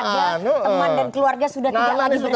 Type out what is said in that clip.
teman dan keluarga sudah tidak lagi bersama